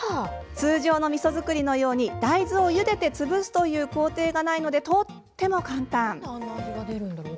通常のみそ造りのように大豆をゆでて潰すという工程がないので、とっても簡単。